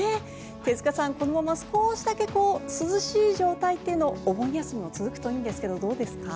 手塚さん、このまま少しだけ涼しい状態というのがお盆休みまで続くといいんですがどうですか？